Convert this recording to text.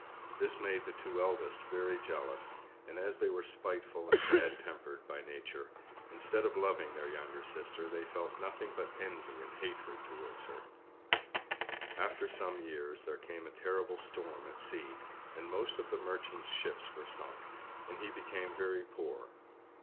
This made the two eldest very jealous; and, as they were spiteful and bad tempered by nature, instead of loving their younger sister they felt nothing but envy and hatred towards her. After some years there came a terrible storm at sea, and most of the Merchant's ships were sunk, and he became very poor.